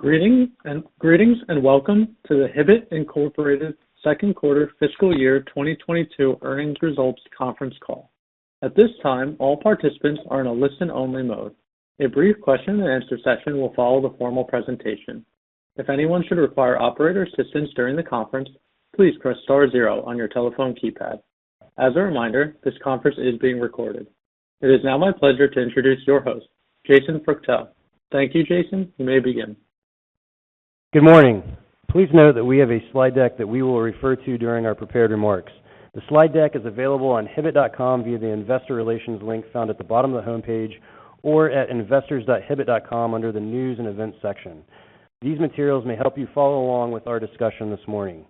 Greetings, and welcome to the Hibbett, Inc. second quarter fiscal year 2022 earnings results conference call. At this time, all participants are in a listen-only mode. A brief question-and-answer session will follow the formal presentation. If anyone should require operator assistance during the conference, please press star zero on your telephone keypad. As a reminder, this conference is being recorded. It is now my pleasure to introduce your host, Jason Freuchtel. Thank you, Jason. You may begin. Good morning. Please note that we have a slide deck that we will refer to during our prepared remarks. The slide deck is available on hibbett.com via the Investor Relations link found at the bottom of the homepage, or at investors.hibbett.com under the news and events section. These materials may help you follow along with our discussion this morning.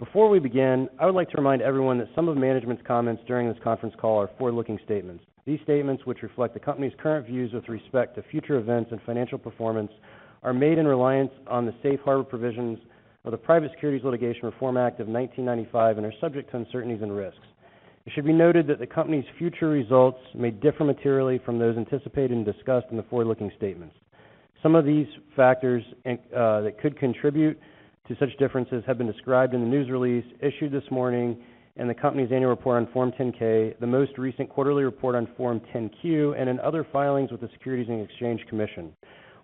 Before we begin, I would like to remind everyone that some of management's comments during this conference call are forward-looking statements. These statements, which reflect the company's current views with respect to future events and financial performance, are made in reliance on the Safe Harbor provisions of the Private Securities Litigation Reform Act of 1995 and are subject to uncertainties and risks. It should be noted that the company's future results may differ materially from those anticipated and discussed in the forward-looking statements. Some of these factors that could contribute to such differences have been described in the news release issued this morning and the company's annual report on Form 10-K, the most recent quarterly report on Form 10-Q, and in other filings with the Securities and Exchange Commission.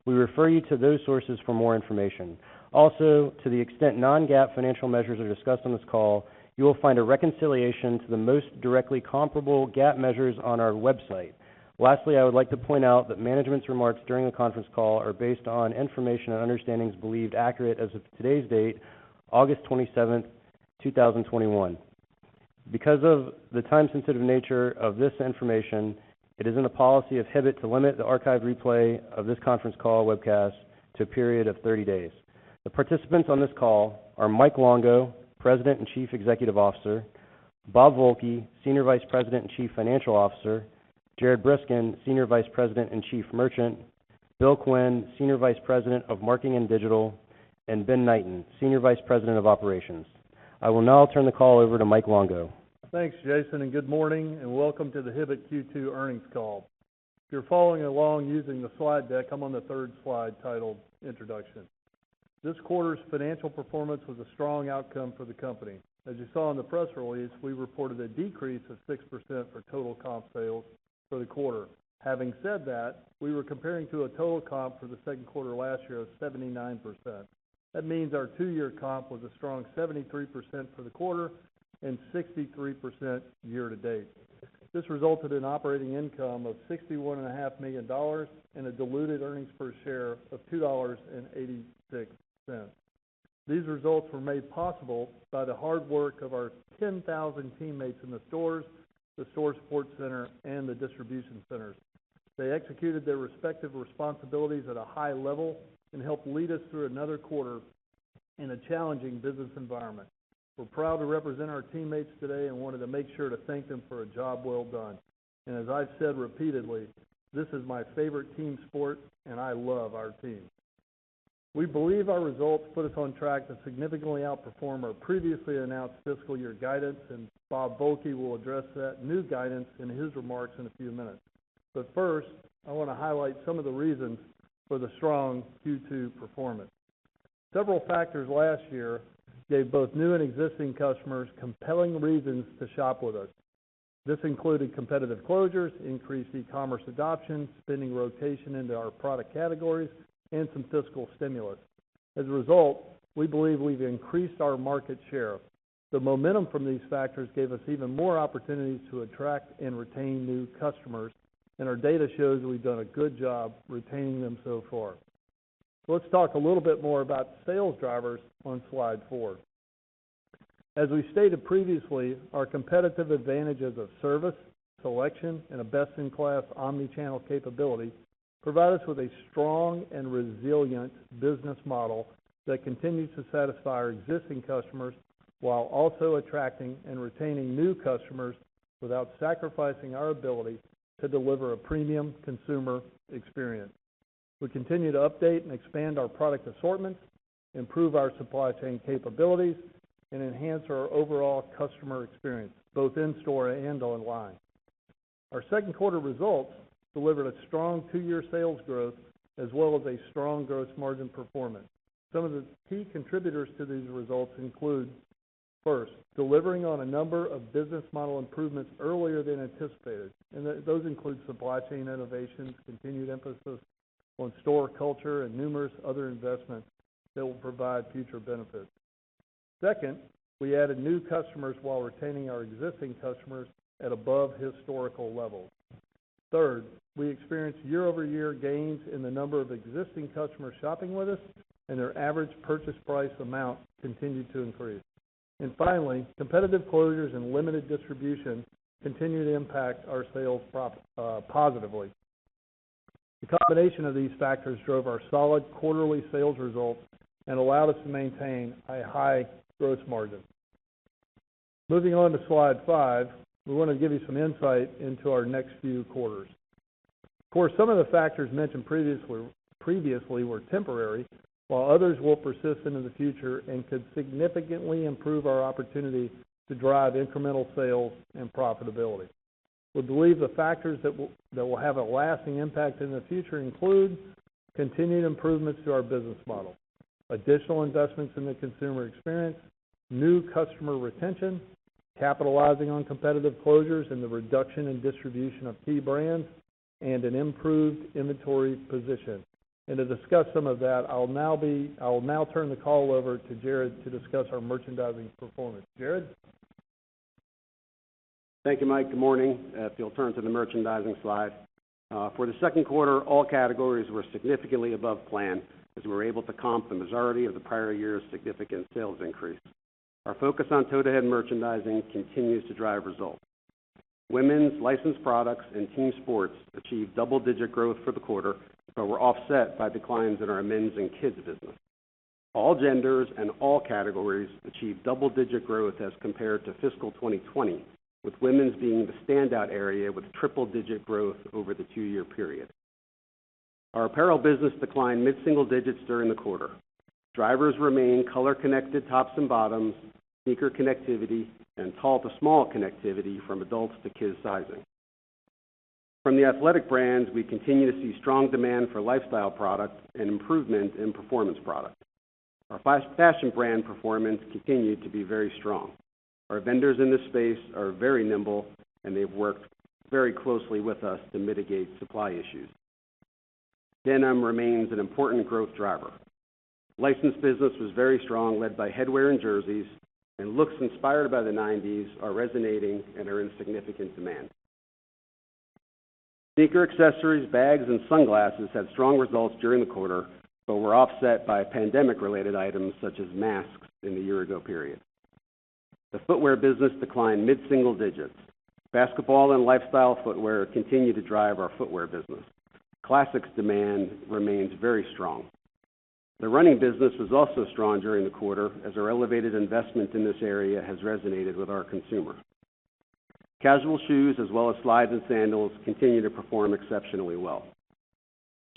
We refer you to those sources for more information. Also, to the extent non-GAAP financial measures are discussed on this call, you will find a reconciliation to the most directly comparable GAAP measures on our website. Lastly, I would like to point out that management's remarks during the conference call are based on information and understandings believed accurate as of today's date, August 27th, 2021. Because of the time-sensitive nature of this information, it is in the policy of Hibbett to limit the archive replay of this conference call webcast to a period of 30 days. The participants on this call are Mike Longo, President and Chief Executive Officer, Bob Volke, Senior Vice President and Chief Financial Officer, Jared Briskin, Senior Vice President and Chief Merchant, Bill Quinn, Senior Vice President of Marketing and Digital, and Ben Knighten, Senior Vice President of Operations. I will now turn the call over to Mike Longo. Thanks, Jason. Good morning, and welcome to the Hibbett Q2 earnings call. If you're following along using the slide deck, I'm on the third slide titled Introduction. This quarter's financial performance was a strong outcome for the company. As you saw in the press release, we reported a decrease of 6% for total comp sales for the quarter. Having said that, we were comparing to a total comp for the second quarter last year of 79%. That means our two-year comp was a strong 73% for the quarter and 63% year-to-date. This resulted in operating income of $61.5 million and a diluted earnings per share of $2.86. These results were made possible by the hard work of our 10,000 teammates in the stores, the store support center, and the distribution centers. They executed their respective responsibilities at a high level and helped lead us through another quarter in a challenging business environment. We're proud to represent our teammates today and wanted to make sure to thank them for a job well done. As I've said repeatedly, this is my favorite team sport and I love our team. We believe our results put us on track to significantly outperform our previously announced fiscal year guidance, and Bob Volke will address that new guidance in his remarks in a few minutes. First, I want to highlight some of the reasons for the strong Q2 performance. Several factors last year gave both new and existing customers compelling reasons to shop with us. This included competitive closures, increased e-commerce adoption, spending rotation into our product categories, and some fiscal stimulus. As a result, we believe we've increased our market share. The momentum from these factors gave us even more opportunities to attract and retain new customers, and our data shows we've done a good job retaining them so far. Let's talk a little bit more about sales drivers on slide four. As we stated previously, our competitive advantages of service, selection, and a best-in-class omni-channel capability provide us with a strong and resilient business model that continues to satisfy our existing customers while also attracting and retaining new customers without sacrificing our ability to deliver a premium consumer experience. We continue to update and expand our product assortments, improve our supply chain capabilities, and enhance our overall customer experience, both in store and online. Our second quarter results delivered a strong two-year sales growth as well as a strong gross margin performance. Some of the key contributors to these results include, first, delivering on a number of business model improvements earlier than anticipated. Those include supply chain innovations, continued emphasis on store culture, and numerous other investments that will provide future benefits. Second, we added new customers while retaining our existing customers at above historical levels. Third, we experienced year-over-year gains in the number of existing customers shopping with us, and their average purchase price amount continued to increase. Finally, competitive closures and limited distribution continue to impact our sales positively. The combination of these factors drove our solid quarterly sales results and allowed us to maintain a high gross margin. Moving on to slide five, we want to give you some insight into our next few quarters. Some of the factors mentioned previously were temporary, while others will persist into the future and could significantly improve our opportunity to drive incremental sales and profitability. We believe the factors that will have a lasting impact in the future include continued improvements to our business model, additional investments in the consumer experience, new customer retention, capitalizing on competitive closures, and the reduction in distribution of key brands, and an improved inventory position. To discuss some of that, I'll now turn the call over to Jared to discuss our merchandising performance. Jared? Thank you, Mike. Good morning. If you'll turn to the merchandising slide. For the second quarter, all categories were significantly above plan as we were able to comp the majority of the prior year's significant sales increase. Our focus on toe-to-head merchandising continues to drive results. Women's licensed products and team sports achieved double-digit growth for the quarter but were offset by declines in our Men's and Kids business. All genders and all categories achieved double-digit growth as compared to fiscal 2020, with women's being the standout area with triple-digit growth over the two-year period. Our Apparel business declined mid-single digits during the quarter. Drivers remain color-connected tops and bottoms, sneaker connectivity, and tall-to-small connectivity from adults to kids sizing. From the athletic brands, we continue to see strong demand for lifestyle products and improvement in performance products. Our fashion brand performance continued to be very strong. Our vendors in this space are very nimble and they've worked very closely with us to mitigate supply issues. Denim remains an important growth driver. Licensed business was very strong, led by headwear and jerseys, and looks inspired by the '90s are resonating and are in significant demand. Sneaker accessories, bags, and sunglasses had strong results during the quarter but were offset by pandemic-related items such as masks in the year-ago period. The footwear business declined mid-single digits. Basketball and lifestyle footwear continue to drive our Footwear business. Classics demand remains very strong. The Running business was also strong during the quarter as our elevated investment in this area has resonated with our consumer. Casual shoes as well as slides and sandals continue to perform exceptionally well.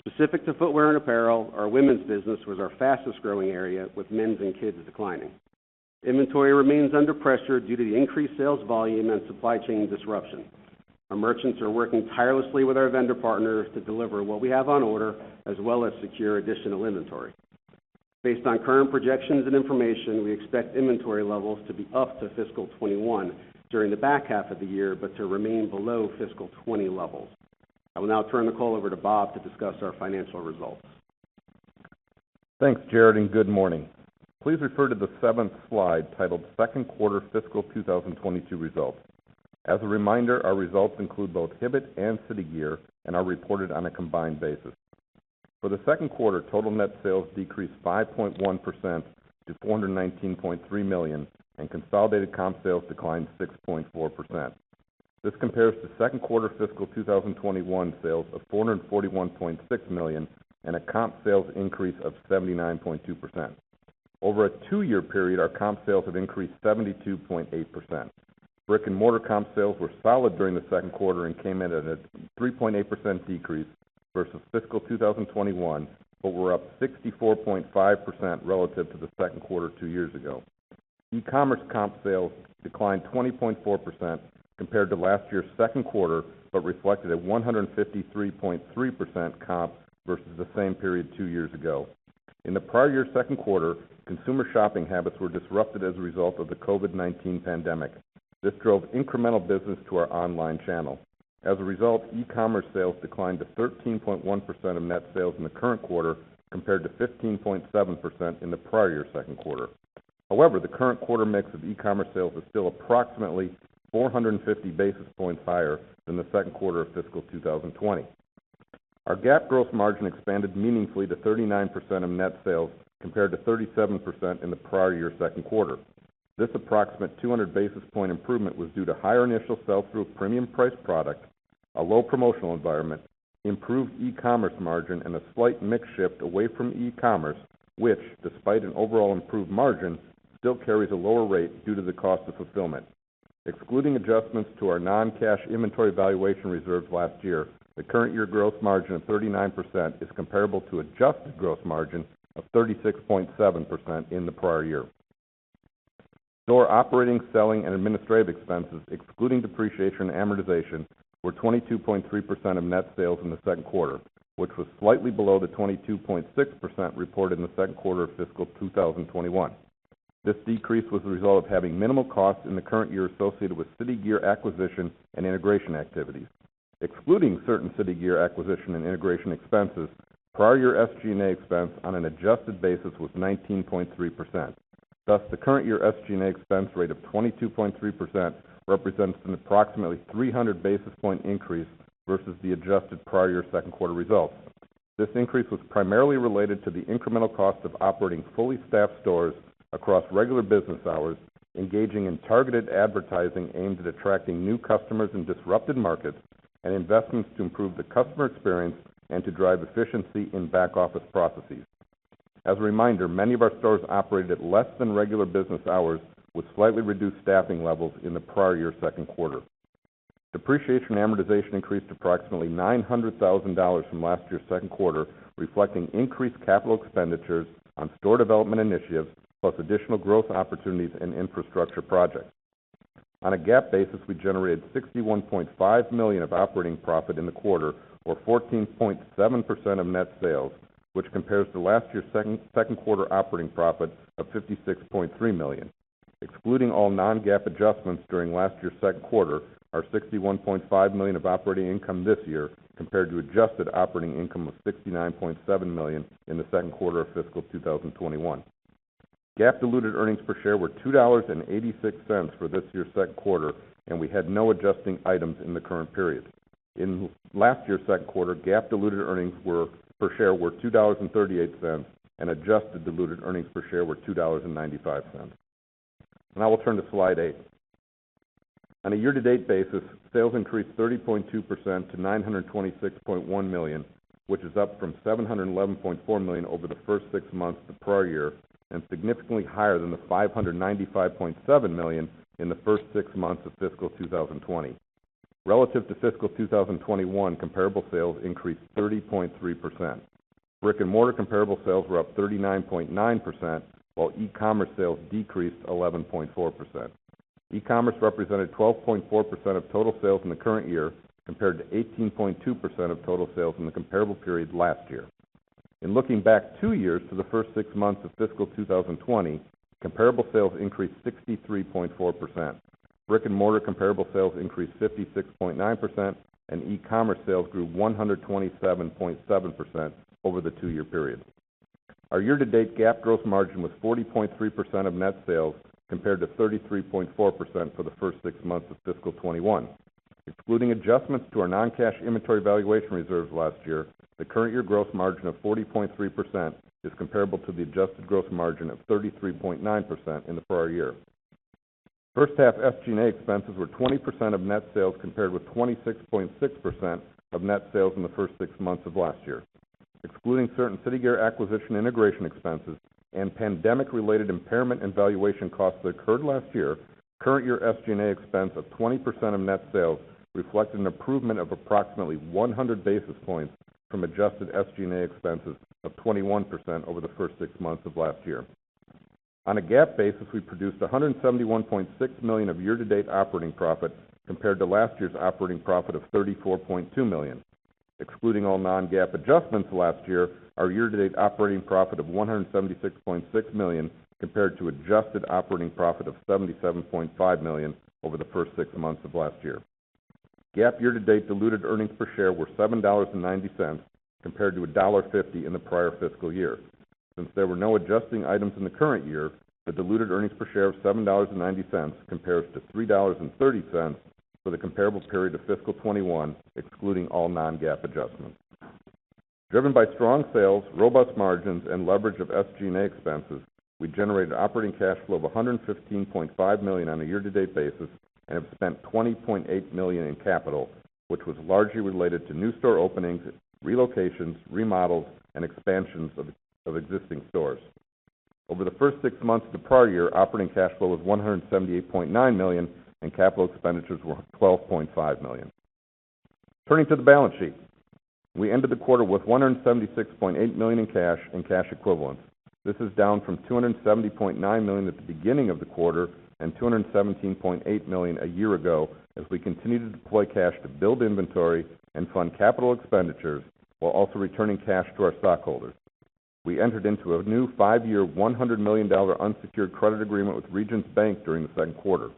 Specific to footwear and apparel, our Women's business was our fastest-growing area, with Men's and Kids' declining. Inventory remains under pressure due to the increased sales volume and supply chain disruption. Our merchants are working tirelessly with our vendor partners to deliver what we have on order as well as secure additional inventory. Based on current projections and information, we expect inventory levels to be up to fiscal 2021 during the back half of the year, but to remain below fiscal 2020 levels. I will now turn the call over to Bob to discuss our financial results. Thanks, Jared, and good morning. Please refer to the seventh slide titled Second Quarter Fiscal 2022 Results. As a reminder, our results include both Hibbett and City Gear and are reported on a combined basis. For the second quarter, total net sales decreased 5.1% to $419.3 million and consolidated comp sales declined 6.4%. This compares to second quarter fiscal 2021 sales of $441.6 million and a comp sales increase of 79.2%. Over a two-year period, our comp sales have increased 72.8%. Brick-and-mortar comp sales were solid during the second quarter and came in at a 3.8% decrease versus fiscal 2021 but were up 64.5% relative to the second quarter two years ago. E-commerce comp sales declined 20.4% compared to last year's second quarter but reflected a 153.3% comp versus the same period two years ago. In the prior year's second quarter, consumer shopping habits were disrupted as a result of the COVID-19 pandemic. This drove incremental business to our online channel. As a result, e-commerce sales declined to 13.1% of net sales in the current quarter compared to 15.7% in the prior year's second quarter. The current quarter mix of e-commerce sales is still approximately 450 basis points higher than the second quarter of fiscal 2020. Our GAAP gross margin expanded meaningfully to 39% of net sales compared to 37% in the prior year's second quarter. This approximate 200-basis point improvement was due to higher initial sell-through of premium priced product, a low promotional environment, improved e-commerce margin, and a slight mix shift away from e-commerce, which despite an overall improved margin, still carries a lower rate due to the cost of fulfillment. Excluding adjustments to our non-cash inventory valuation reserves last year, the current year gross margin of 39% is comparable to adjusted gross margin of 36.7% in the prior year. Store operating, selling, and administrative expenses, excluding depreciation and amortization, were 22.3% of net sales in the second quarter, which was slightly below the 22.6% reported in the second quarter of fiscal 2021. This decrease was the result of having minimal costs in the current year associated with City Gear acquisition and integration activities. Excluding certain City Gear acquisition and integration expenses, prior year SG&A expense on an adjusted basis was 19.3%. The current year SG&A expense rate of 22.3% represents an approximately 300-basis point increase versus the adjusted prior year's second quarter results. This increase was primarily related to the incremental cost of operating fully staffed stores across regular business hours, engaging in targeted advertising aimed at attracting new customers in disrupted markets, and investments to improve the customer experience and to drive efficiency in back-office processes. As a reminder, many of our stores operated at less than regular business hours with slightly reduced staffing levels in the prior year's second quarter. Depreciation and amortization increased approximately $900,000 from last year's second quarter, reflecting increased capital expenditures on store development initiatives, plus additional growth opportunities and infrastructure projects. On a GAAP basis, we generated $61.5 million of operating profit in the quarter, or 14.7% of net sales, which compares to last year's second quarter operating profit of $56.3 million. Excluding all non-GAAP adjustments during last year's second quarter, our $61.5 million of operating income this year compared to adjusted operating income of $69.7 million in the second quarter of fiscal 2021. GAAP diluted earnings per share were $2.86 for this year's second quarter, and we had no adjusting items in the current period. In last year's second quarter, GAAP diluted earnings per share were $2.38, and adjusted diluted earnings per share were $2.95. Now I will turn to slide eight. On a year-to-date basis, sales increased 30.2% to $926.1 million, which is up from $711.4 million over the first six months of the prior year and significantly higher than the $595.7 million in the first six months of fiscal 2020. Relative to fiscal 2021, comparable sales increased 30.3%. Brick-and-mortar comparable sales were up 39.9%, while e-commerce sales decreased 11.4%. E-commerce represented 12.4% of total sales in the current year, compared to 18.2% of total sales in the comparable period last year. In looking back two years to the first six months of fiscal 2020, comparable sales increased 63.4%. Brick-and-mortar comparable sales increased 56.9%, and e-commerce sales grew 127.7% over the two-year period. Our year-to-date GAAP gross margin was 40.3% of net sales, compared to 33.4% for the first six months of fiscal 2021. Excluding adjustments to our non-cash inventory valuation reserves last year, the current year gross margin of 40.3% is comparable to the adjusted gross margin of 33.9% in the prior year. First half SG&A expenses were 20% of net sales, compared with 26.6% of net sales in the first six months of last year. Excluding certain City Gear acquisition integration expenses and pandemic-related impairment and valuation costs that occurred last year, current year SG&A expense of 20% of net sales reflects an improvement of approximately 100 basis points from adjusted SG&A expenses of 21% over the first six months of last year. On a GAAP basis, we produced $171.6 million of year-to-date operating profit compared to last year's operating profit of $34.2 million. Excluding all non-GAAP adjustments last year, our year-to-date operating profit of $176.6 million compared to adjusted operating profit of $77.5 million over the first six months of last year. GAAP year-to-date diluted earnings per share were $7.90, compared to $1.50 in the prior fiscal year. Since there were no adjusting items in the current year, the diluted earnings per share of $7.90 compares to $3.30 for the comparable period of fiscal 2021, excluding all non-GAAP adjustments. Driven by strong sales, robust margins, and leverage of SG&A expenses, we generated operating cash flow of $115.5 million on a year-to-date basis and have spent $20.8 million in capital, which was largely related to new store openings, relocations, remodels, and expansions of existing stores. Over the first six months of the prior year, operating cash flow was $178.9 million and capital expenditures were $12.5 million. Turning to the balance sheet, we ended the quarter with $176.8 million in cash and cash equivalents. This is down from $270.9 million at the beginning of the quarter and $217.8 million a year ago, as we continue to deploy cash to build inventory and fund capital expenditures while also returning cash to our stockholders. We entered into a new five-year, $100 million unsecured credit agreement with Regions Bank during the second quarter.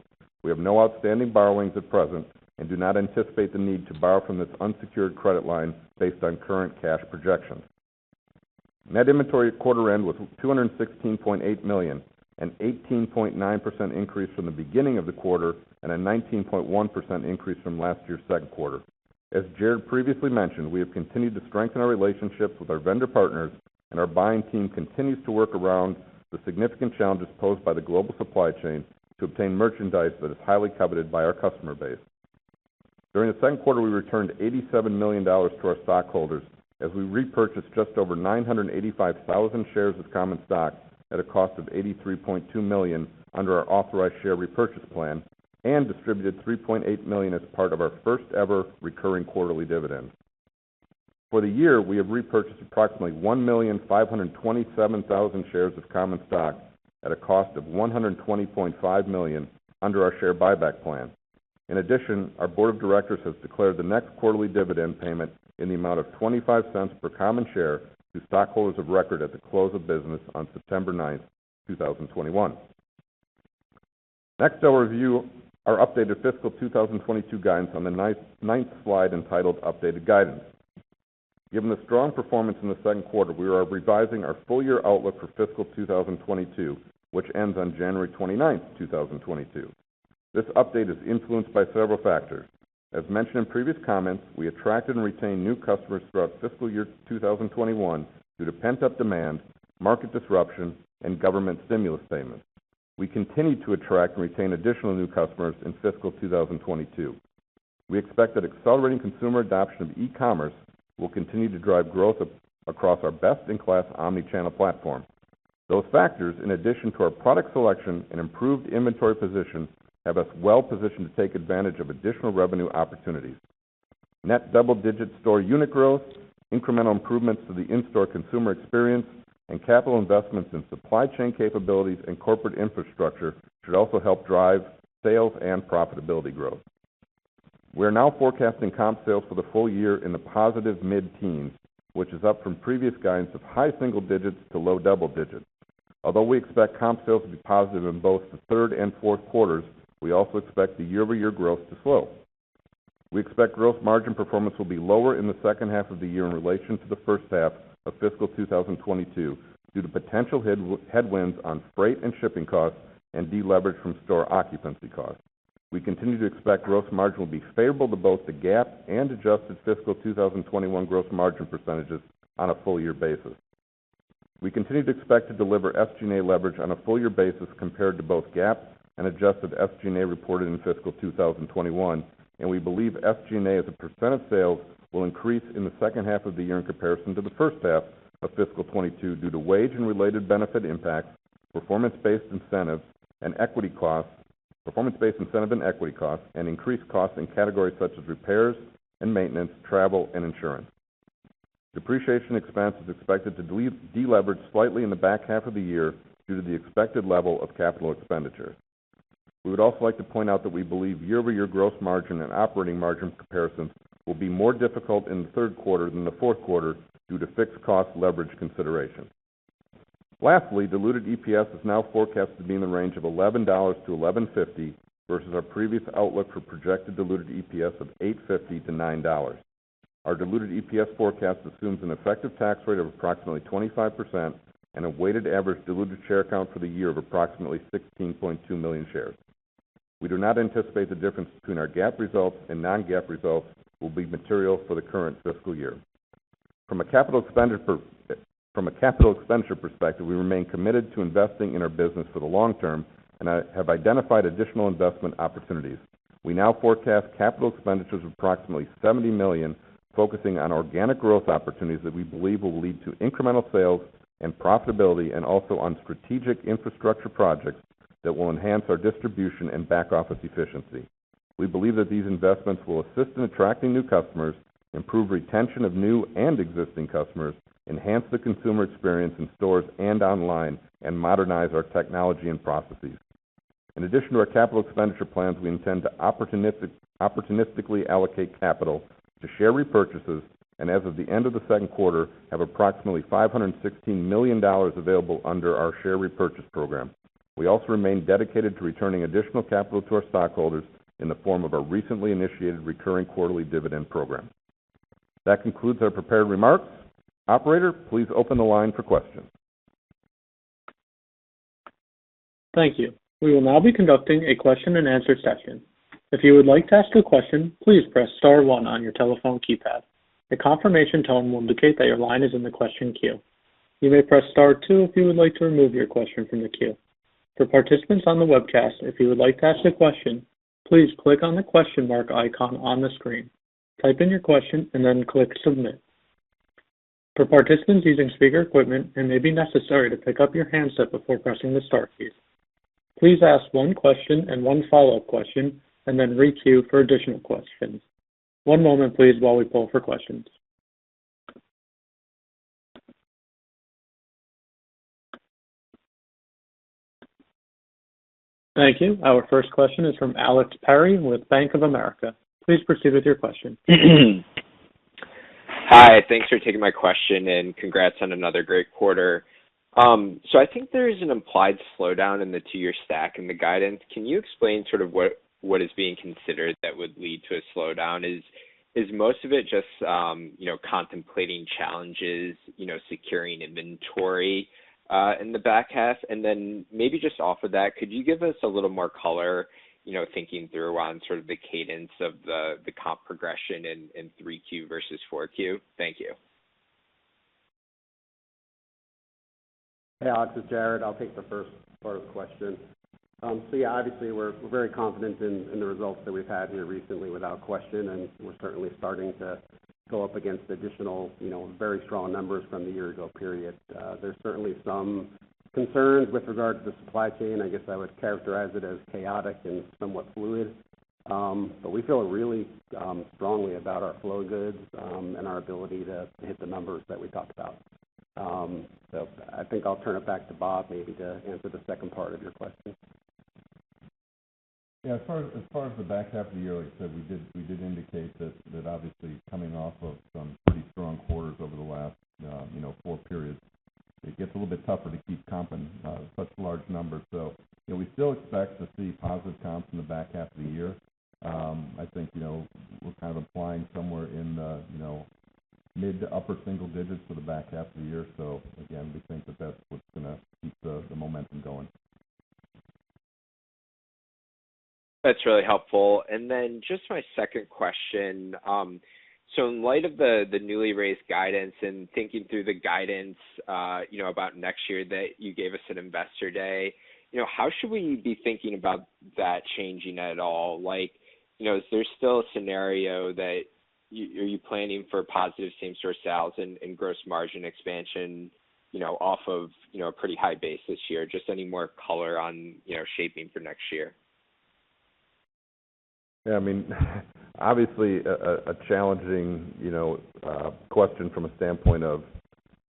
We have no outstanding borrowings at present and do not anticipate the need to borrow from this unsecured credit line based on current cash projections. Net inventory at quarter end was $216.8 million, an 18.9% increase from the beginning of the quarter and a 19.1% increase from last year's second quarter. As Jared previously mentioned, we have continued to strengthen our relationships with our vendor partners, and our buying team continues to work around the significant challenges posed by the global supply chain to obtain merchandise that is highly coveted by our customer base. During the second quarter, we returned $87 million to our stockholders as we repurchased just over 985,000 shares of common stock at a cost of $83.2 million under our authorized share repurchase plan and distributed $3.8 million as part of our first-ever recurring quarterly dividend. For the year, we have repurchased approximately 1,527,000 shares of common stock at a cost of $120.5 million under our share buyback plan. In addition, our Board of Directors has declared the next quarterly dividend payment in the amount of $0.25 per common share to stockholders of record at the close of business on September 9th, 2021. Next, I'll review our updated fiscal 2022 guidance on the ninth slide entitled Updated Guidance. Given the strong performance in the second quarter, we are revising our full-year outlook for fiscal 2022, which ends on January 29th, 2022. This update is influenced by several factors. As mentioned in previous comments, we attract and retain new customers throughout fiscal year 2021 due to pent-up demand, market disruption, and government stimulus payments. We continue to attract and retain additional new customers in fiscal 2022. We expect that accelerating consumer adoption of e-commerce will continue to drive growth across our best-in-class omnichannel platform. Those factors, in addition to our product selection and improved inventory position, have us well positioned to take advantage of additional revenue opportunities. Net double-digit store unit growth, incremental improvements to the in-store consumer experience, and capital investments in supply chain capabilities and corporate infrastructure should also help drive sales and profitability growth. We are now forecasting comp sales for the full year in the positive mid-teens, which is up from previous guidance of high single digits to low double digits. Although we expect comp sales to be positive in both the third and fourth quarters, we also expect the year-over-year growth to slow. We expect gross margin performance will be lower in the second half of the year in relation to the first half of fiscal 2022 due to potential headwinds on freight and shipping costs and deleverage from store occupancy costs. We continue to expect gross margin will be favorable to both the GAAP and adjusted fiscal 2021 gross margin percentages on a full-year basis. We continue to expect to deliver SG&A leverage on a full-year basis compared to both GAAP and adjusted SG&A reported in fiscal 2021, and we believe SG&A as a percent of sales will increase in the second half of the year in comparison to the first half of fiscal 2022 due to wage and related benefit impacts, performance-based incentives and equity costs, and increased costs in categories such as repairs and maintenance, travel, and insurance. Depreciation expense is expected to deleverage slightly in the back half of the year due to the expected level of capital expenditures. We would also like to point out that we believe year-over-year growth margin and operating margin comparisons will be more difficult in the third quarter than the fourth quarter due to fixed cost leverage considerations. Lastly, diluted EPS is now forecasted to be in the range of $11-$11.50 versus our previous outlook for projected diluted EPS of $8.50-$9. Our diluted EPS forecast assumes an effective tax rate of approximately 25% and a weighted average diluted share count for the year of approximately 16.2 million shares. We do not anticipate the difference between our GAAP results and non-GAAP results will be material for the current fiscal year. From a capital expenditure perspective, we remain committed to investing in our business for the long term and have identified additional investment opportunities. We now forecast capital expenditures of approximately $70 million, focusing on organic growth opportunities that we believe will lead to incremental sales and profitability and also on strategic infrastructure projects that will enhance our distribution and back-office efficiency. We believe that these investments will assist in attracting new customers, improve retention of new and existing customers, enhance the consumer experience in stores and online, and modernize our technology and processes. In addition to our capital expenditure plans, we intend to opportunistically allocate capital to share repurchases and as of the end of the second quarter, have approximately $516 million available under our share repurchase program. We also remain dedicated to returning additional capital to our stockholders in the form of our recently initiated recurring quarterly dividend program. That concludes our prepared remarks. Operator, please open the line for questions. Thank you. We will now be conducting a question-and-answer session. If you would like to ask a question, please press star one on your telephone keypad. A confirmation tone will indicate that your line is in the question queue. You may press star two if you would like to remove your question from the queue. For participants on the webcast, if you would like to ask a question, please click on the question mark icon on the screen, type in your question, then click submit. For participants using speaker equipment, it may be necessary to pick up your handset before pressing the star key. Please ask one question and one follow-up question, then re-queue for additional questions. One moment, please, while we poll for questions. Thank you. Our first question is from Alex Perry with Bank of America. Please proceed with your question. Hi, thanks for taking my question. Congrats on another great quarter. I think there is an implied slowdown in the two-year stack in the guidance. Can you explain what is being considered that would lead to a slowdown? Is most of it just contemplating challenges, securing inventory in the back half? Maybe just off of that, could you give us a little more color, thinking through on sort of the cadence of the comp progression in 3Q versus 4Q? Thank you. Hey, Alex. It's Jared. I'll take the first part of the question. Yeah, obviously, we're very confident in the results that we've had here recently without question, and we're certainly starting to go up against additional very strong numbers from the year-ago period. There's certainly some concerns with regard to the supply chain. I guess I would characterize it as chaotic and somewhat fluid. We feel really strongly about our flow goods and our ability to hit the numbers that we talked about. I think I'll turn it back to Bob maybe to answer the second part of your question. As far as the back half of the year, like I said, we did indicate that obviously coming off of some pretty strong quarters over the last four periods, it gets a little bit tougher to keep comping such large numbers. We still expect to see positive comps in the back half of the year. I think we're kind of implying somewhere in the mid to upper single-digits for the back half of the year. Again, we think that that's what's going to keep the momentum going. That's really helpful. Just my second question, in light of the newly raised guidance and thinking through the guidance about next year that you gave us at Investor Day, how should we be thinking about that changing at all? Is there still a scenario that you're planning for positive same-store sales and gross margin expansion off of a pretty high base this year? Just any more color on shaping for next year. Yeah. Obviously, a challenging question from a standpoint of,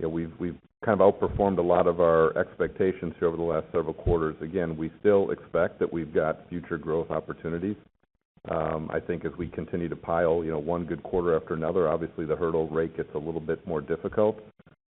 we've kind of outperformed a lot of our expectations here over the last several quarters. Again, we still expect that we've got future growth opportunities. I think as we continue to pile one good quarter after another, obviously the hurdle rate gets a little bit more difficult.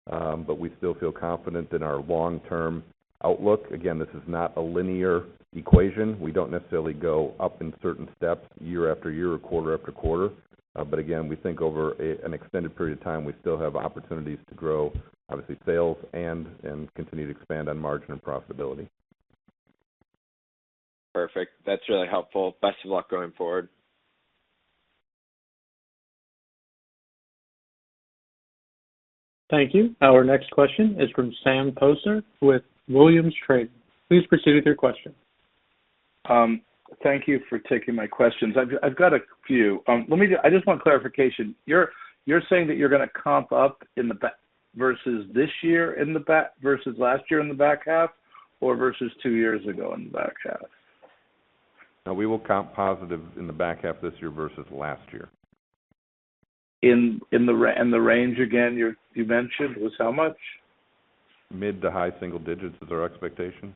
We still feel confident in our long-term outlook. Again, this is not a linear equation. We don't necessarily go up in certain steps year-after-year or quarter-after-quarter. Again, we think over an extended period of time, we still have opportunities to grow, obviously, sales and continue to expand on margin and profitability. Perfect. That's really helpful. Best of luck going forward. Thank you. Our next question is from Sam Poser with Williams Trading. Please proceed with your question. Thank you for taking my questions. I've got a few. I just want clarification. You're saying that you're going to comp up versus last year in the back half, or versus two years ago in the back half? No, we will comp positive in the back half this year versus last year. The range, again, you mentioned was how much? Mid- to high-single digits is our expectation.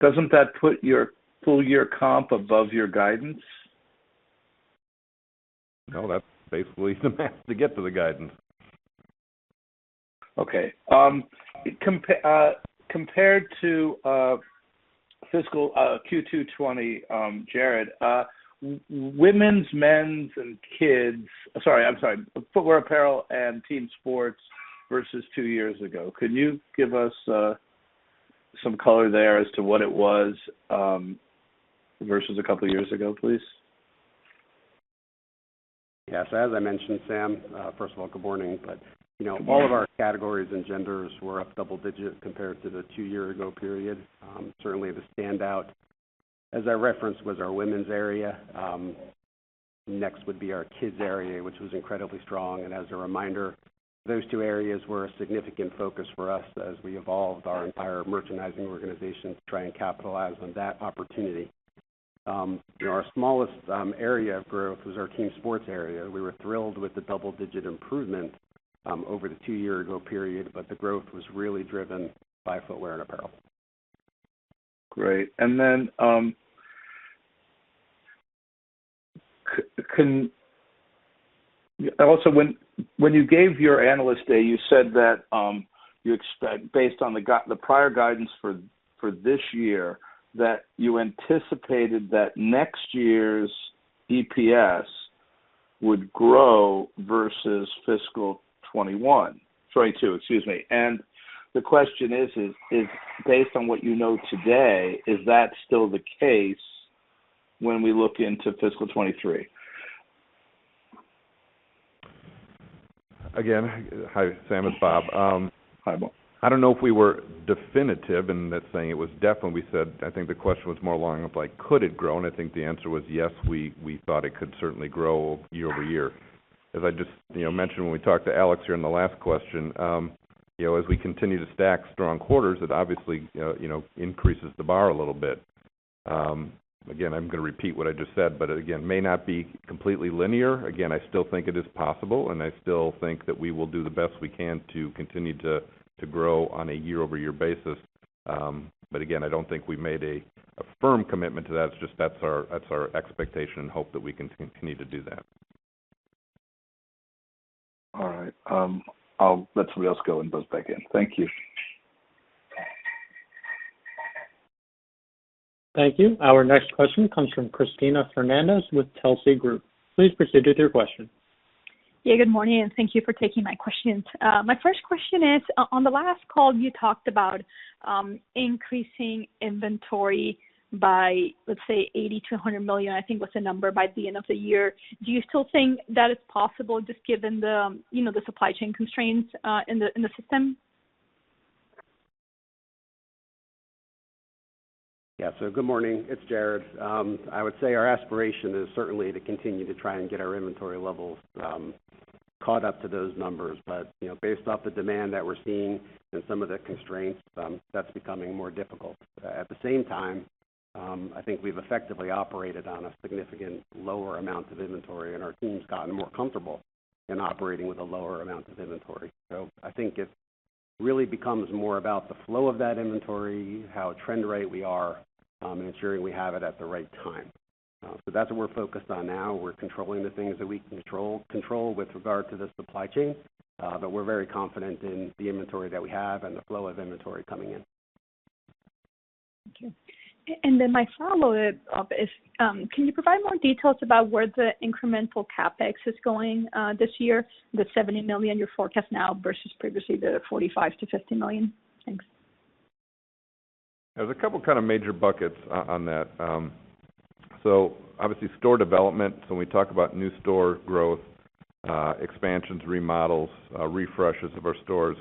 Doesn't that put your full-year comp above your guidance? No, that's basically the math to get to the guidance. Okay. Compared to fiscal Q2 2020, Jared, Footwear, Apparel, and Team sports versus two years ago. Could you give us some color there as to what it was versus a couple of years ago, please? Yes. As I mentioned, Sam, first of all, good morning. All of our categories and genders were up double-digit compared to the two-year ago period. Certainly, the standout, as I referenced, was our Women's area. Next would be our Kids area, which was incredibly strong. As a reminder, those two areas were a significant focus for us as we evolved our entire merchandising organization to try and capitalize on that opportunity. Our smallest area of growth was our Team Sports area. We were thrilled with the double-digit improvement over the two-year ago period, but the growth was really driven by Footwear and Apparel. Great. Also, when you gave your Analyst Day, you said that based on the prior guidance for this year, that you anticipated that next year's EPS would grow versus fiscal 2022. The question is, based on what you know today, is that still the case when we look into fiscal 2023? Hi, Sam. It's Bob. Hi, Bob. I don't know if we were definitive in that saying. It was definitely we said, I think the question was more along of like, could it grow? And I think the answer was yes, we thought it could certainly grow year-over-year. As I just mentioned when we talked to Alex here in the last question, as we continue to stack strong quarters, it obviously increases the bar a little bit. Again, I'm going to repeat what I just said, but again, may not be completely linear. Again, I still think it is possible, and I still think that we will do the best we can to continue to grow on a year-over-year basis. But again, I don't think we've made a firm commitment to that. It's just that's our expectation and hope that we can continue to do that. All right. I'll let somebody else go and buzz back in. Thank you. Thank you. Our next question comes from Cristina Fernández with Telsey Group. Please proceed with your question. Yeah, good morning, and thank you for taking my questions. My first question is, on the last call, you talked about increasing inventory by, let's say, $80 million-$100 million, I think was the number, by the end of the year. Do you still think that is possible, just given the supply chain constraints in the system? Good morning. It's Jared. I would say our aspiration is certainly to continue to try and get our inventory levels caught up to those numbers. Based off the demand that we're seeing and some of the constraints, that's becoming more difficult. At the same time, I think we've effectively operated on a significant lower amount of inventory and our team's gotten more comfortable in operating with a lower amount of inventory. I think it really becomes more about the flow of that inventory, how trend-right we are, and ensuring we have it at the right time. That's what we're focused on now. We're controlling the things that we can control with regard to the supply chain. We're very confident in the inventory that we have and the flow of inventory coming in. Thank you. My follow-up is, can you provide more details about where the incremental CapEx is going this year, the $70 million you forecast now versus previously the $45 million-$50 million? Thanks. There's two major buckets on that. Obviously, store development. When we talk about new store growth, expansions, remodels, refreshes of our stores,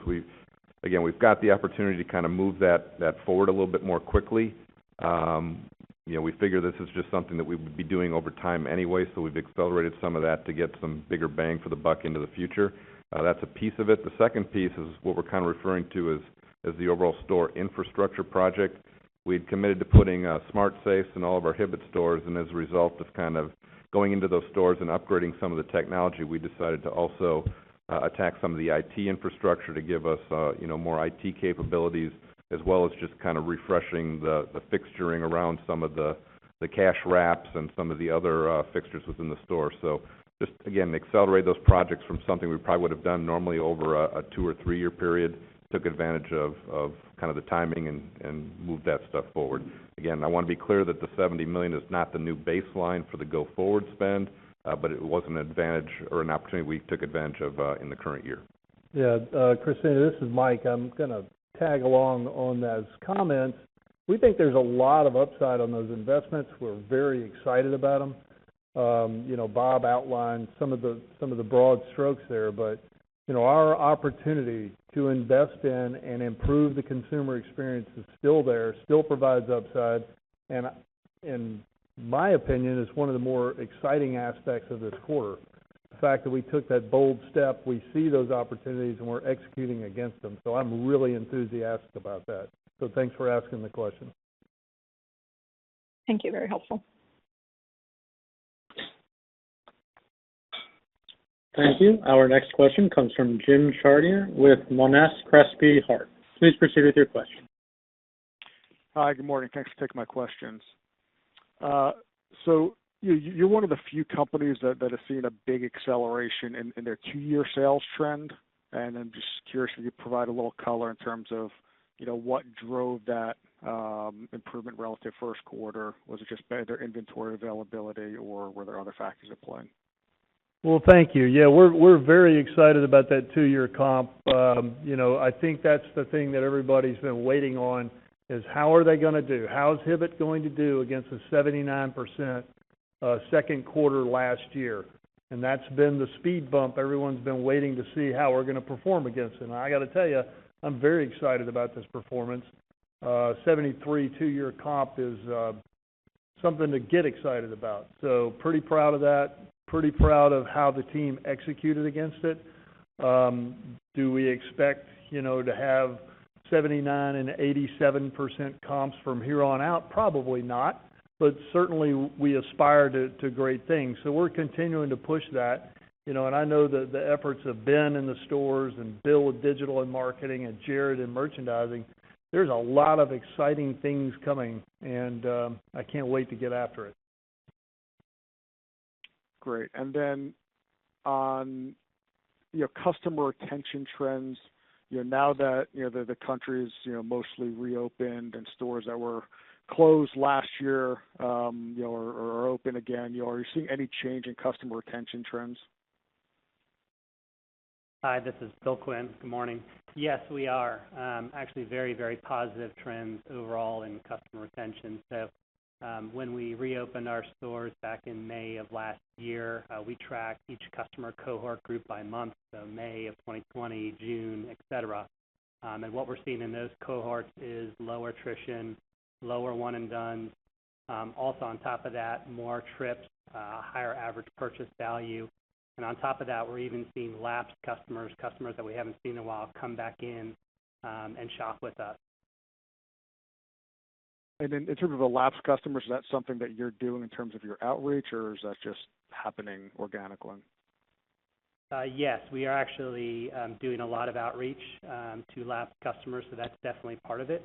again, we've got the opportunity to move that forward a little bit more quickly. We figure this is just something that we would be doing over time anyway, we've accelerated some of that to get some bigger bang for the buck into the future. That's a piece of it. The second piece is what we're kind of referring to as the overall store infrastructure project. We've committed to putting smart safe in all of our Hibbett stores, and as a result of going into those stores and upgrading some of the technology, we decided to also attack some of the IT infrastructure to give us more IT capabilities, as well as just refreshing the fixturing around some of the cash wraps and some of the other fixtures within the store. Just, again, accelerate those projects from something we probably would've done normally over a two- or three-year period, took advantage of the timing and moved that stuff forward. I want to be clear that the $70 million is not the new baseline for the go-forward spend, but it was an advantage or an opportunity we took advantage of in the current year. Yeah. Cristina, this is Mike. I'm going to tag along on those comments. We think there's a lot of upside on those investments. We're very excited about them. Bob outlined some of the broad strokes there, but our opportunity to invest in and improve the consumer experience is still there, still provides upside, and in my opinion, is one of the more exciting aspects of this quarter. The fact that we took that bold step, we see those opportunities, and we're executing against them. I'm really enthusiastic about that. Thanks for asking the question. Thank you. Very helpful. Thank you. Our next question comes from Jim Chartier with Monness, Crespi, Hardt. Please proceed with your question. Hi. Good morning. Thanks for taking my questions. You're one of the few companies that have seen a big acceleration in their two-year sales trend, and I'm just curious, could you provide a little color in terms of what drove that improvement relative first quarter? Was it just better inventory availability, or were there other factors at play? Well, thank you. Yeah, we're very excited about that two-year comp. I think that's the thing that everybody's been waiting on is how are they going to do? How is Hibbett going to do against a 79% second quarter last year? That's been the speed bump everyone's been waiting to see how we're going to perform against them. I got to tell you, I'm very excited about this performance. 73% two-year comp is something to get excited about. Pretty proud of that. Pretty proud of how the team executed against it. Do we expect to have 79% and 87% comps from here on out? Probably not. Certainly we aspire to great things. We're continuing to push that. I know that the efforts of Ben in the stores and Bill with digital and marketing and Jared in merchandising, there's a lot of exciting things coming, and I can't wait to get after it. Great. On your customer retention trends, now that the country is mostly reopened and stores that were closed last year are open again, are you seeing any change in customer retention trends? Hi, this is Bill Quinn. Good morning. Yes, we are. Actually very, very positive trends overall in customer retention. When we reopened our stores back in May of last year, we tracked each customer cohort group by month, so May of 2020, June, et cetera. What we're seeing in those cohorts is low attrition, lower one and dones. Also on top of that, more trips, higher average purchase value. On top of that, we're even seeing lapsed customers that we haven't seen in a while, come back in and shop with us. In terms of the lapsed customers, is that something that you're doing in terms of your outreach, or is that just happening organically? Yes, we are actually doing a lot of outreach to lapsed customers, so that's definitely part of it.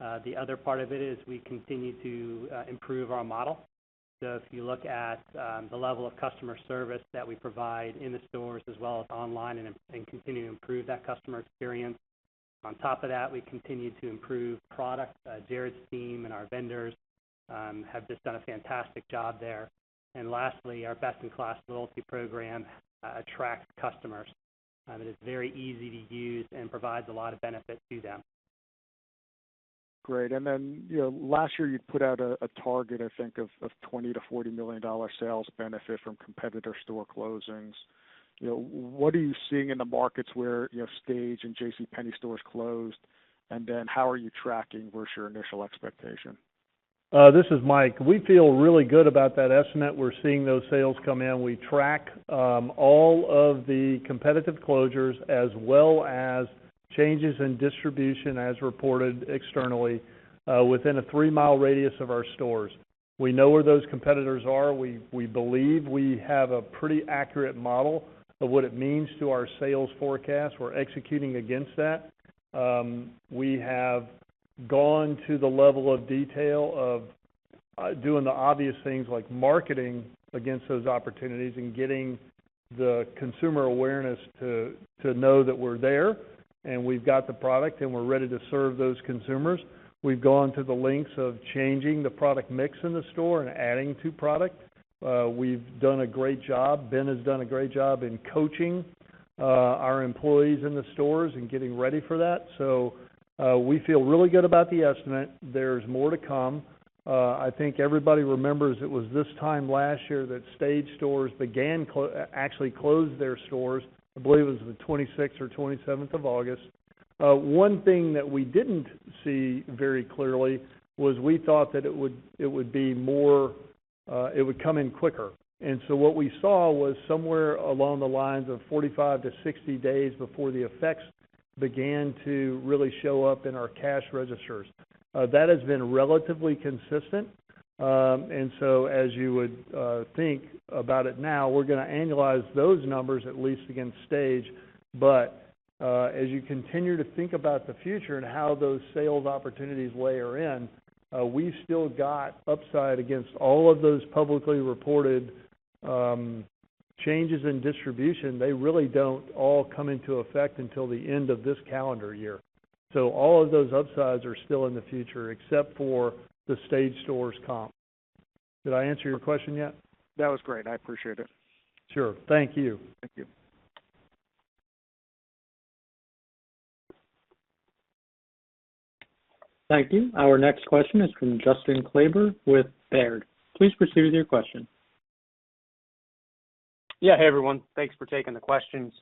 The other part of it is we continue to improve our model. If you look at the level of customer service that we provide in the stores as well as online and continue to improve that customer experience. On top of that, we continue to improve product. Jared's team and our vendors have just done a fantastic job there. Lastly, our best-in-class loyalty program attracts customers. It is very easy to use and provides a lot of benefit to them. Great. Last year you put out a target, I think of $20 million-$40 million sales benefit from competitor store closings. What are you seeing in the markets where Stage and JCPenney stores closed? How are you tracking versus your initial expectation? This is Mike. We feel really good about that estimate. We're seeing those sales come in. We track all of the competitive closures as well as changes in distribution as reported externally within a 3-mi radius of our stores. We know where those competitors are. We believe we have a pretty accurate model of what it means to our sales forecast. We're executing against that. We have gone to the level of detail of doing the obvious things like marketing against those opportunities and getting the consumer awareness to know that we're there, and we've got the product, and we're ready to serve those consumers. We've gone to the lengths of changing the product mix in the store and adding to product. We've done a great job. Ben has done a great job in coaching our employees in the stores and getting ready for that. We feel really good about the estimate. There's more to come. I think everybody remembers it was this time last year that Stage Stores began actually closed their stores. I believe it was the 26th or 27th of August. One thing that we didn't see very clearly was we thought that it would come in quicker. What we saw was somewhere along the lines of 45-60 days before the effects began to really show up in our cash registers. That has been relatively consistent. As you would think about it now, we're going to annualize those numbers at least against Stage. As you continue to think about the future and how those sales opportunities layer in, we've still got upside against all of those publicly reported changes in distribution. They really don't all come into effect until the end of this calendar year. All of those upsides are still in the future, except for the Stage Stores comp. Did I answer your question yet? That was great. I appreciate it. Sure. Thank you. Thank you. Thank you. Our next question is from Justin Kleber with Baird. Please proceed with your question. Yeah. Hey, everyone. Thanks for taking the questions.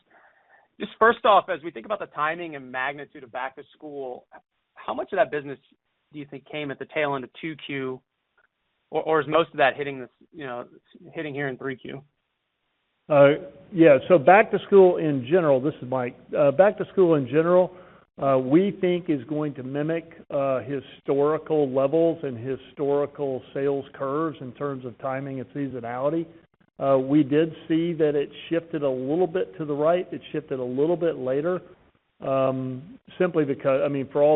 Just first off, as we think about the timing and magnitude of back-to-school, how much of that business do you think came at the tail end of 2Q, or is most of that hitting here in 3Q? Yeah. This is Mike. Back-to-school in general, we think is going to mimic historical levels and historical sales curves in terms of timing and seasonality. We did see that it shifted a little bit to the right. It shifted a little bit later. For all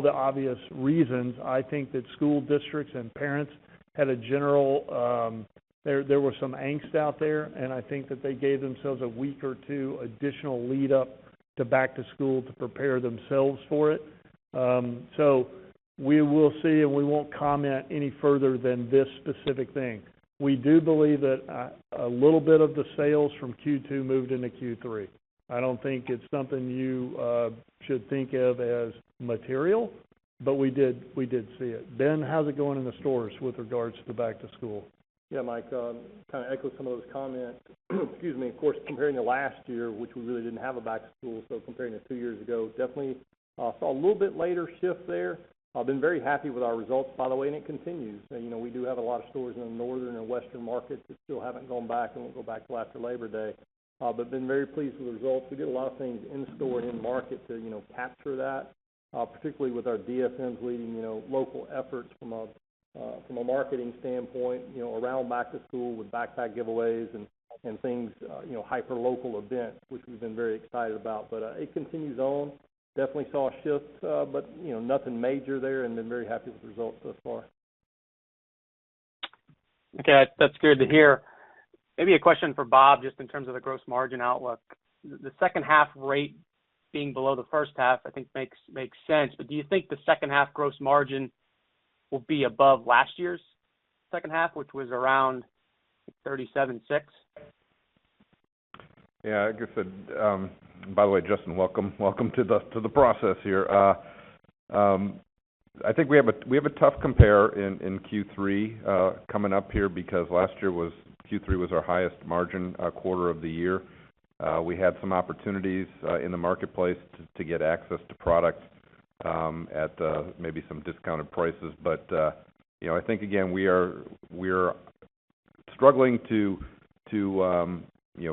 the obvious reasons, I think that school districts and parents, there was some angst out there, and I think that they gave themselves a week or two additional lead up to back-to-school to prepare themselves for it. We will see, and we won't comment any further than this specific thing. We do believe that a little bit of the sales from Q2 moved into Q3. I don't think it's something you should think of as material, but we did see it. Ben, how's it going in the stores with regards to back-to-school? Yeah, Mike. To echo some of those comments, of course, comparing to last year, which we really didn't have a back-to-school, so comparing to two years ago, definitely saw a little bit later shift there. I've been very happy with our results, by the way. It continues. We do have a lot of stores in the Northern and Western markets that still haven't gone back and won't go back till after Labor Day. We've been very pleased with the results. We did a lot of things in store and in market to capture that, particularly with our DSMs leading local efforts from a marketing standpoint around back-to-school with backpack giveaways and things, hyper local events, which we've been very excited about. It continues on. We definitely saw a shift, but nothing major there and we've been very happy with the results thus far. Okay. That's good to hear. Maybe a question for Bob, just in terms of the gross margin outlook. The second half rate being below the first half, I think makes sense. Do you think the second half gross margin will be above last year's second half, which was around 37.6%? Yeah. By the way, Justin, welcome. Welcome to the process here. I think we have a tough compare in Q3 coming up here because last year Q3 was our highest margin quarter of the year. We had some opportunities in the marketplace to get access to product at maybe some discounted prices. I think, again, we're struggling to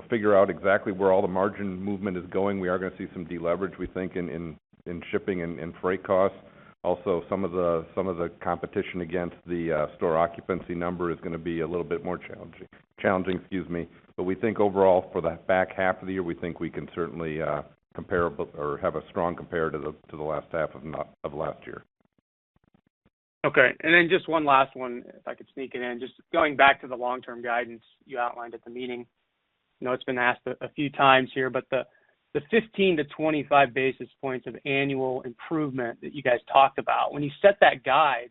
figure out exactly where all the margin movement is going. We are going to see some deleverage, we think, in shipping and freight costs. Also, some of the competition against the store occupancy number is going to be a little bit more challenging. Excuse me. We think overall for the back half of the year, we think we can certainly have a strong compare to the last half of last year. Okay. Just one last one, if I could sneak it in. Just going back to the long-term guidance you outlined at the meeting. I know it's been asked a few times here, the 15 basis points to 25 basis points of annual improvement that you guys talked about. When you set that guide,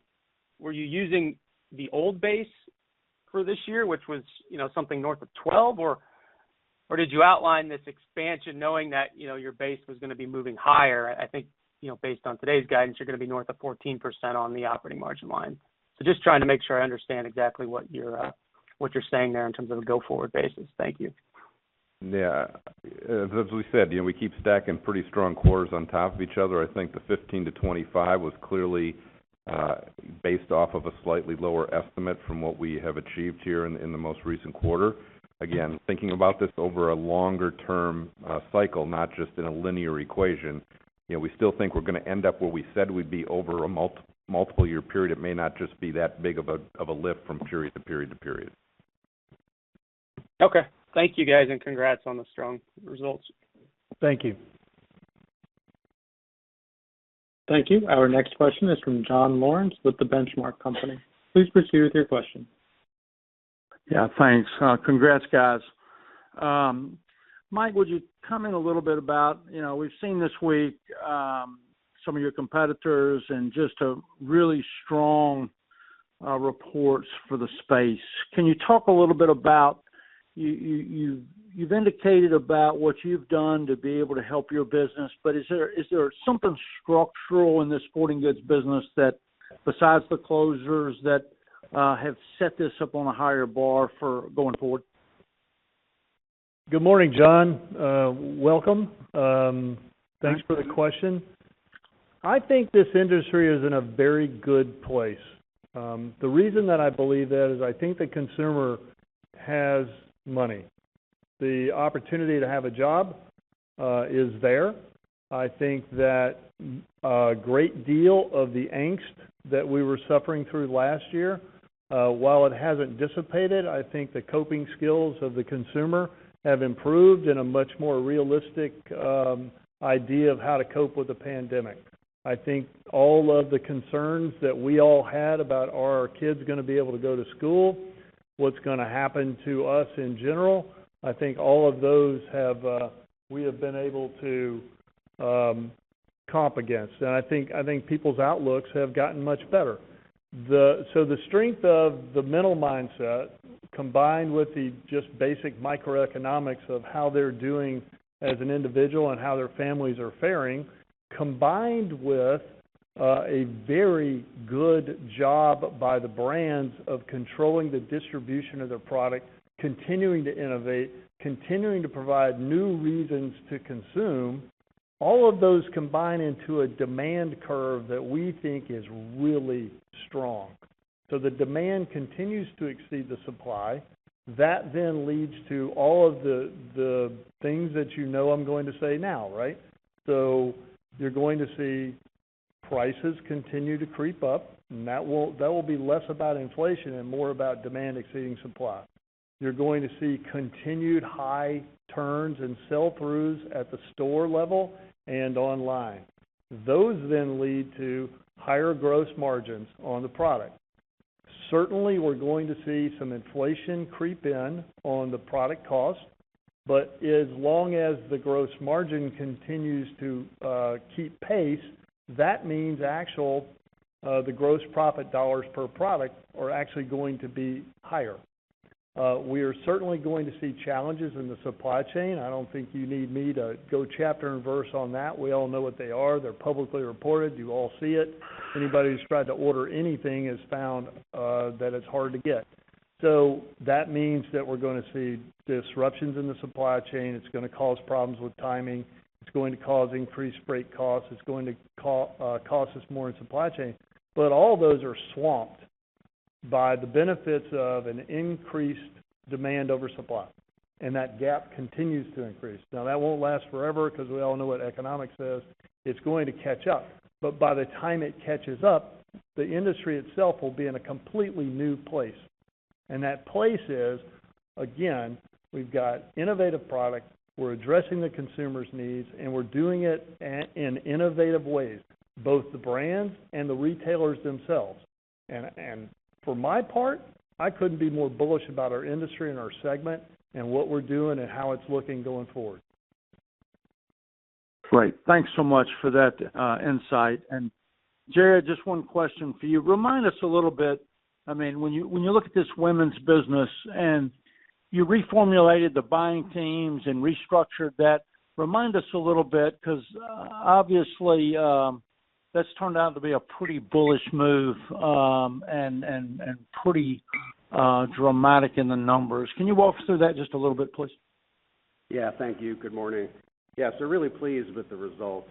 were you using the old base for this year, which was something north of 12%? Or did you outline this expansion knowing that your base was going to be moving higher? I think based on today's guidance, you're going to be north of 14% on the operating margin line. Just trying to make sure I understand exactly what you're saying there in terms of a go-forward basis. Thank you. Yeah. As we said, we keep stacking pretty strong quarters on top of each other. I think the 15 basis points-25 basis points was clearly based off of a slightly lower estimate from what we have achieved here in the most recent quarter. Again, thinking about this over a longer-term cycle, not just in a linear equation, we still think we're going to end up where we said we'd be over a multiple year period. It may not just be that big of a lift from period to period to period. Okay. Thank you guys, and congrats on the strong results. Thank you. Thank you. Our next question is from John Lawrence with The Benchmark Company. Please proceed with your question. Yeah, thanks. Congrats, guys. Mike, would you comment a little bit? We've seen this week some of your competitors and just really strong reports for the space. You've indicated about what you've done to be able to help your business, but is there something structural in the sporting goods business that, besides the closures, that have set this up on a higher bar for going forward? Good morning, John. Welcome. Thanks for the question. I think this industry is in a very good place. The reason that I believe that is I think the consumer has money. The opportunity to have a job is there. I think that a great deal of the angst that we were suffering through last year, while it hasn't dissipated, I think the coping skills of the consumer have improved and a much more realistic idea of how to cope with the pandemic. I think all of the concerns that we all had about are our kids going to be able to go to school, what's going to happen to us in general, I think all of those we have been able to comp against. I think people's outlooks have gotten much better. The strength of the mental mindset, combined with the just basic microeconomics of how they're doing as an individual and how their families are faring, combined with a very good job by the brands of controlling the distribution of their product, continuing to innovate, continuing to provide new reasons to consume, all of those combine into a demand curve that we think is really strong. The demand continues to exceed the supply. That leads to all of the things that you know I'm going to say now. You're going to see prices continue to creep up, and that will be less about inflation and more about demand exceeding supply. You're going to see continued high turns and sell-throughs at the store level and online. Those lead to higher gross margins on the product. Certainly, we're going to see some inflation creep in on the product cost, but as long as the gross margin continues to keep pace, that means the gross profit dollars per one product are actually going to be higher. We are certainly going to see challenges in the supply chain. I don't think you need me to go chapter and verse on that. We all know what they are. They're publicly reported. You all see it. Anybody who's tried to order anything has found that it's hard to get. That means that we're going to see disruptions in the supply chain. It's going to cause problems with timing. It's going to cause increased freight costs. It's going to cost us more in supply chain. All those are swamped by the benefits of an increased demand over supply, and that gap continues to increase. Now, that won't last forever because we all know what economics is. It's going to catch up. By the time it catches up, the industry itself will be in a completely new place. That place is, again, we've got innovative product, we're addressing the consumer's needs, and we're doing it in innovative ways, both the brands and the retailers themselves. For my part, I couldn't be more bullish about our industry and our segment and what we're doing and how it's looking going forward. Great. Thanks so much for that insight. Jared, just one question for you. Remind us a little bit, when you look at this Women's business and you reformulated the buying teams and restructured that, remind us a little bit because obviously, that's turned out to be a pretty bullish move and pretty dramatic in the numbers. Can you walk us through that just a little bit, please? Yeah. Thank you. Good morning. Yeah. Really pleased with the results.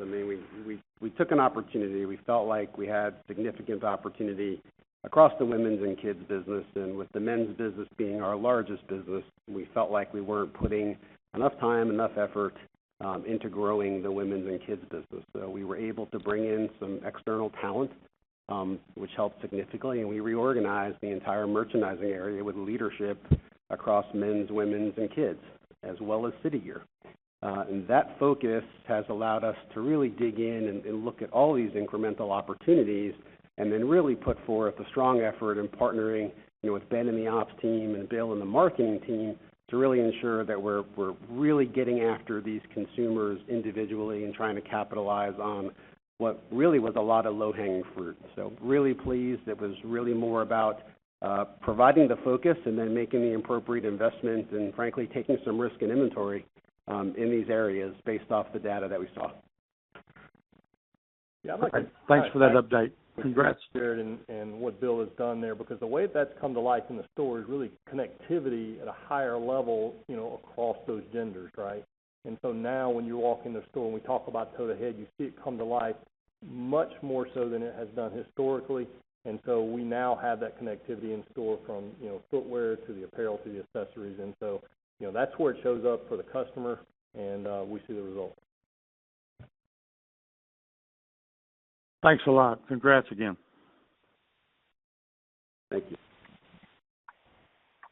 We took an opportunity. We felt like we had significant opportunity across the Women's and Kids' business. With the Men's business being our largest business, we felt like we weren't putting enough time, enough effort into growing the Women's and Kids' business. We were able to bring in some external talent which helped significantly, and we reorganized the entire merchandising area with leadership across Men's, Women's, and Kids, as well as City Gear. That focus has allowed us to really dig in and look at all these incremental opportunities and then really put forth a strong effort in partnering with Ben and the ops team and Bill and the marketing team to really ensure that we're really getting after these consumers individually and trying to capitalize on what really was a lot of low-hanging fruit. Really pleased. It was really more about providing the focus and then making the appropriate investments and frankly, taking some risk in inventory in these areas based off the data that we saw. Yeah. Thanks for that update. Congrats. What Bill has done there because the way that's come to life in the store is really connectivity at a higher level across those genders. Now when you walk in the store and we talk about toe-to-head, you see it come to life much more so than it has done historically. We now have that connectivity in store from Footwear to the Apparel to the Accessories, and so that's where it shows up for the customer, and we see the results. Thanks a lot. Congrats again. Thank you.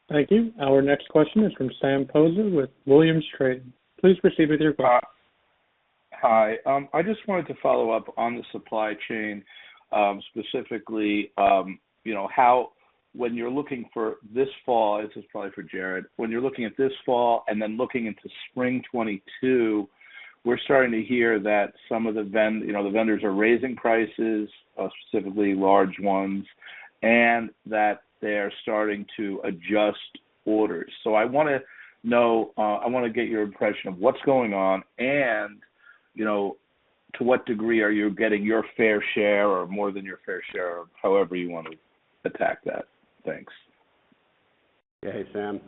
Thank you. Our next question is from Sam Poser with Williams Trading. Please proceed with your question. Hi. I just wanted to follow up on the supply chain, specifically, when you're looking for this fall. This is probably for Jared. When you're looking at this fall and then looking into spring 2022, we're starting to hear that some of the vendors are raising prices, specifically large ones, and that they're starting to adjust orders. I want to get your impression of what's going on To what degree are you getting your fair share or more than your fair share, or however you want to attack that? Thanks. Yeah. Hey, Sam.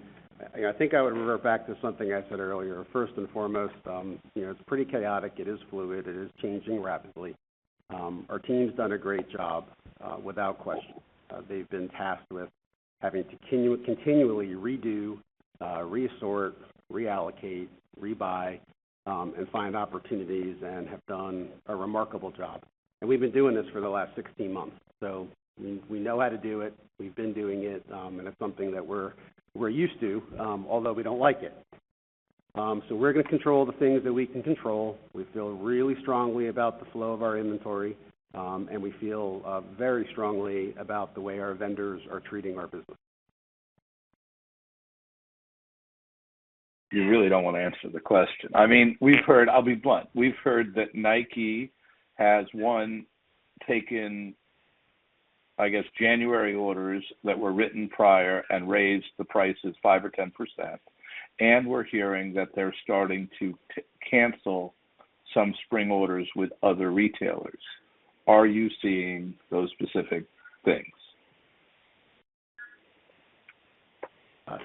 I think I would revert back to something I said earlier. First and foremost, it's pretty chaotic. It is fluid. It is changing rapidly. Our team's done a great job, without question. They've been tasked with having to continually redo, re-sort, reallocate, rebuy, and find opportunities, and have done a remarkable job. We've been doing this for the last 16 months. We know how to do it. We've been doing it. It's something that we're used to, although we don't like it. We're going to control the things that we can control. We feel really strongly about the flow of our inventory. We feel very strongly about the way our vendors are treating our business. You really don't want to answer the question. I'll be blunt. We've heard that Nike has, one, taken, I guess, January orders that were written prior and raised the prices 5% or 10%. We're hearing that they're starting to cancel some spring orders with other retailers. Are you seeing those specific things?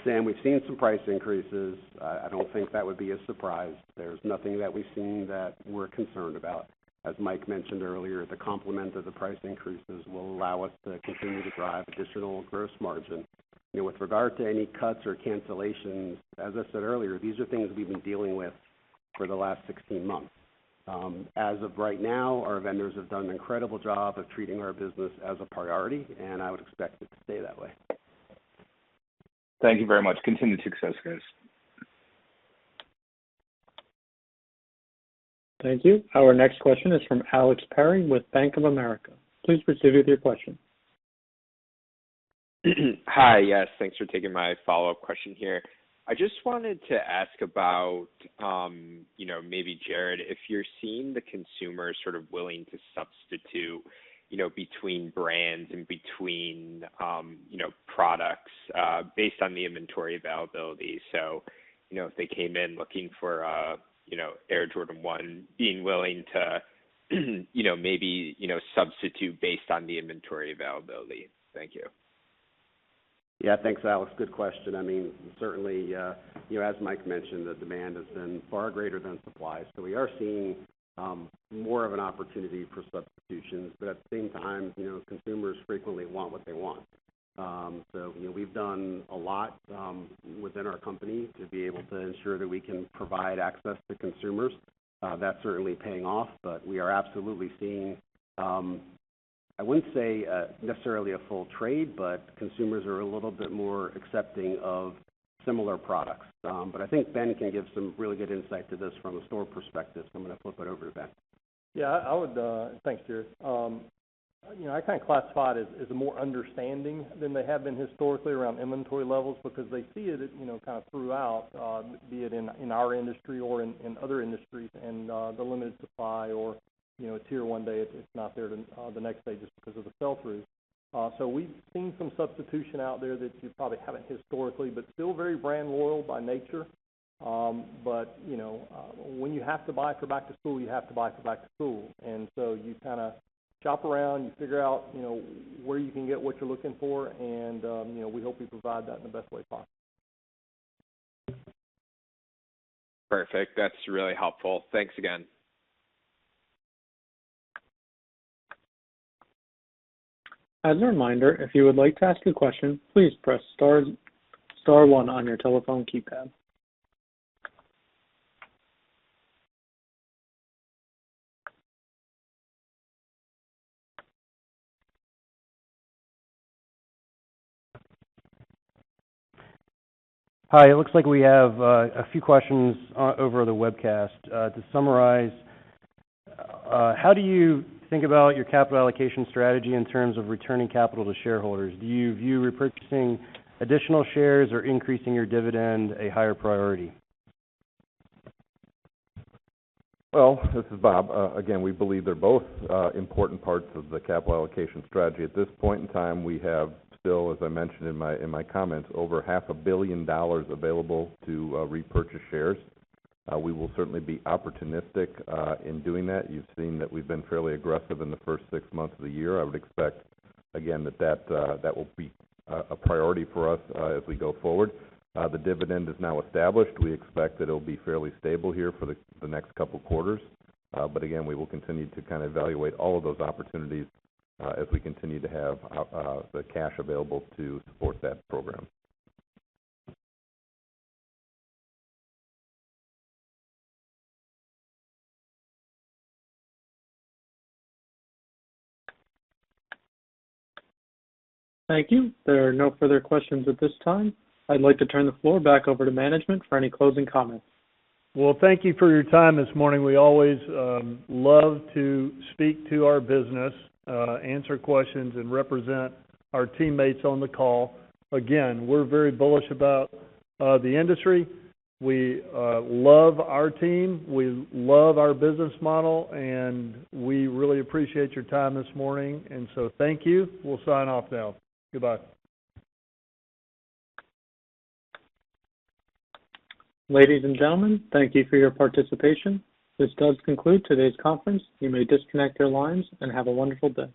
Sam, we've seen some price increases. I don't think that would be a surprise. There's nothing that we've seen that we're concerned about. As Mike mentioned earlier, the complement of the price increases will allow us to continue to drive additional gross margin. With regard to any cuts or cancellations, as I said earlier, these are things we've been dealing with for the last 16 months. As of right now, our vendors have done an incredible job of treating our business as a priority, and I would expect it to stay that way. Thank you very much. Continued success, guys. Thank you. Our next question is from Alex Perry with Bank of America. Please proceed with your question. Hi. Yes, thanks for taking my follow-up question here. I just wanted to ask about, maybe Jared, if you're seeing the consumer sort of willing to substitute between brands and between products based on the inventory availability. If they came in looking for Air Jordan 1, being willing to maybe substitute based on the inventory availability. Thank you. Yeah. Thanks, Alex. Good question. Certainly, as Mike mentioned, the demand has been far greater than supply. We are seeing more of an opportunity for substitutions. At the same time, consumers frequently want what they want. We've done a lot within our company to be able to ensure that we can provide access to consumers. That's certainly paying off. We are absolutely seeing, I wouldn't say necessarily a full trade, but consumers are a little bit more accepting of similar products. I think Ben can give some really good insight to this from a store perspective, so I'm going to flip it over to Ben. Yeah. Thanks, Jared. I kind of classify it as a more understanding than they have been historically around inventory levels because they see it kind of throughout, be it in our industry or in other industries and the limited supply or it's here one day, it's not there the next day just because of the sell-through. We've seen some substitution out there that you probably haven't historically, but still very brand loyal by nature. When you have to buy for back-to-school, you have to buy for back-to-school. You kind of shop around, you figure out where you can get what you're looking for and we hope we provide that in the best way possible. Perfect. That's really helpful. Thanks again. As a reminder, if you would like to ask a question, please press star one on your telephone keypad. Hi. It looks like we have a few questions over the webcast. To summarize, how do you think about your capital allocation strategy in terms of returning capital to shareholders? Do you view repurchasing additional shares or increasing your dividend a higher priority? Well, this is Bob. Again, we believe they're both important parts of the capital allocation strategy. At this point in time, we have still, as I mentioned in my comments, over half a billion dollars available to repurchase shares. We will certainly be opportunistic in doing that. You've seen that we've been fairly aggressive in the first six months of the year. I would expect, again, that will be a priority for us as we go forward. The dividend is now established. We expect that it'll be fairly stable here for the next couple quarters. Again, we will continue to evaluate all of those opportunities as we continue to have the cash available to support that program. Thank you. There are no further questions at this time. I'd like to turn the floor back over to management for any closing comments. Well, thank you for your time this morning. We always love to speak to our business, answer questions, and represent our teammates on the call. Again, we're very bullish about the industry. We love our team. We love our business model, and we really appreciate your time this morning, and so thank you. We'll sign off now. Goodbye. Ladies and gentlemen, thank you for your participation. This does conclude today's conference. You may disconnect your lines and have a wonderful day.